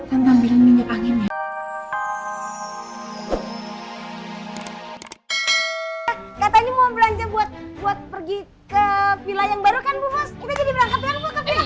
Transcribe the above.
anginnya katanya mau belanja buat buat pergi ke pilihan yang baru kan bukannya